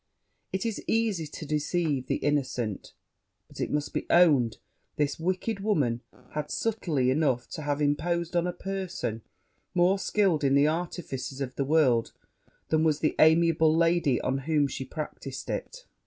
It is easy to deceive the innocent; but, it must be owned, this wicked woman had subtlety enough to have imposed on a person more skilled in the artifices of the world than was the amiable lady on whom she practised it.